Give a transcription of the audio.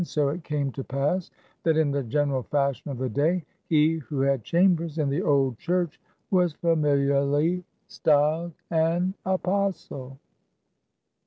So it came to pass, that in the general fashion of the day, he who had chambers in the old church was familiarly styled an Apostle.